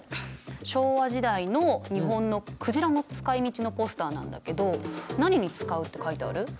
昭和時代の日本の鯨の使いみちのポスターなんだけど何に使うって書いてある？